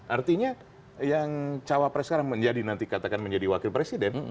artinya yang cawapres sekarang menjadi nanti katakan menjadi wakil presiden